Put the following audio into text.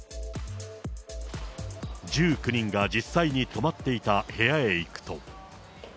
１９人が実際に泊まっていた部屋へ行くと。